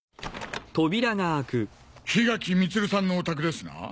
檜垣ミツルさんのお宅ですな。